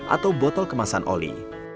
atau botol kemasan oli